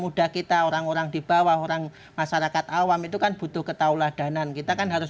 muda kita orang orang di bawah orang masyarakat awam itu kan butuh ketauladanan kita kan harus